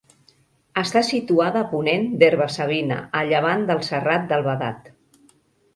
Està situada a ponent d'Herba-savina, a llevant del Serrat del Vedat.